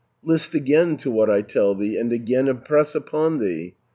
"List again to what I tell thee, And again impress upon thee.